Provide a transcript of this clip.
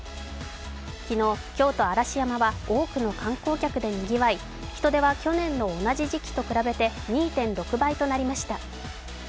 昨日、京都・嵐山は多くの観光客でにぎわい人出は去年の同じ時期と比べて２．６倍となりました。